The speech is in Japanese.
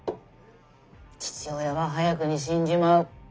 父親は早くに死んじまう。